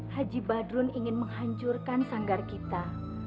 haji badrun ingin menghancurkan sanggar kita